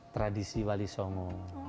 tradisi wali songo